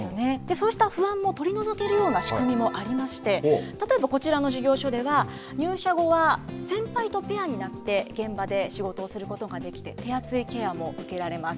そうした不安も取り除けるような仕組みもありまして、例えばこちらの事業所では、入社後は先輩とペアになって、現場で仕事をすることができて、手厚いケアも受けられます。